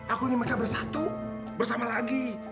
aku ingin mereka bersatu bersama lagi